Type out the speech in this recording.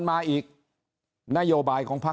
ก็มาเมืองไทยไปประเทศเพื่อนบ้านใกล้เรา